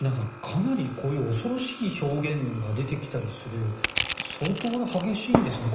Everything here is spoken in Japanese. かなり、こういう恐ろしい表現が出てきたりする相当激しいんですね。